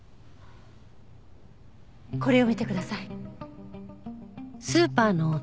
これを見てください。